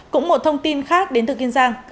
cũng một thông tin khác đến từ kiên giang